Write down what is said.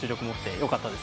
よかったです。